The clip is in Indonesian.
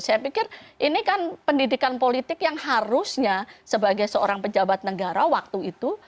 saya pikir ini kan pendidikan politik yang harusnya sebagai seorang pejabat negara waktu itu